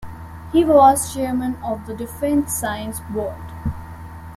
He was Chairman of the Defense Science Board.